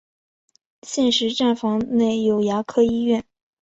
现时站房内有牙科医院。